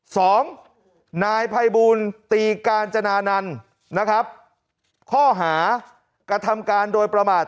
สองนายภัยบูลตีกาญจนานันต์นะครับข้อหากระทำการโดยประมาท